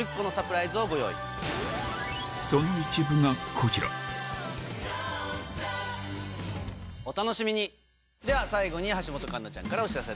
その一部がこちらでは最後に橋本環奈ちゃんからお知らせです。